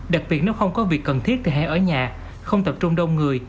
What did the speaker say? đặc biệt nếu không có việc cần thiết thì hãy ở nhà không tập trung đông người